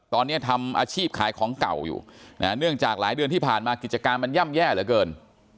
ตอนนี้ทำอาชีพขายของเก่าอยู่เนื่องจากหลายเดือนที่ผ่านมากิจการมันย่ำแย่เหลือเกิน